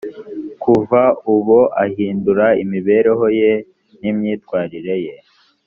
kuva ubo ahindura imibereho ye n’imyitwarire ye